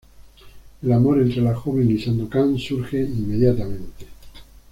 El amor entre la joven y Sandokán surge inmediatamente.